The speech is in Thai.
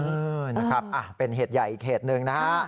เออนะครับเป็นเหตุใหญ่อีกเหตุหนึ่งนะฮะ